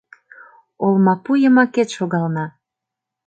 Олмапу йымакет шогална.